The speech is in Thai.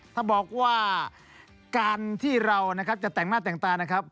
ถ้าบอกว่าการที่เรานะครับจะแต่งหน้าแต่งตานะครับ